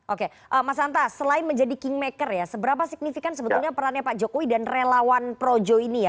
oke mas anta selain menjadi kingmaker ya seberapa signifikan sebetulnya perannya pak jokowi dan relawan projo ini ya